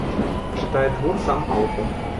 Чытае твор сам аўтар.